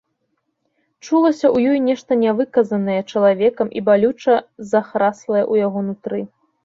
Чулася ў ёй нешта нявыказанае чалавекам і балюча захраслае ў яго нутры.